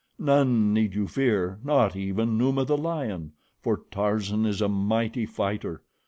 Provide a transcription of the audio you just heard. None need you fear, not even Numa, the lion, for Tarzan is a mighty fighter.